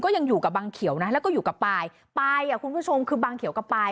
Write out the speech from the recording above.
ยังอยู่กับบังเขียวนะแล้วก็อยู่กับปลายปลายอ่ะคุณผู้ชมคือบางเขียวกับปลาย